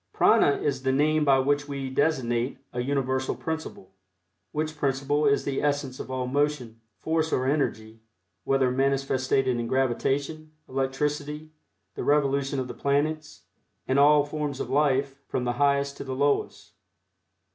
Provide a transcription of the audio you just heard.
Prana is the name by which we designate a universal principle, which principle is the essence of all motion, force or energy, whether manifested in gravitation, electricity, the revolution of the planets, and all forms of life, from the highest to the lowest.